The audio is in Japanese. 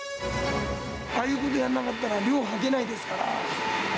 ああいうことやんなかったら、量ははけないですから。